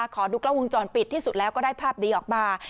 ขอดูกล้องวงจรปิดที่สุดแล้วก็ได้ภาพนี้ออกมา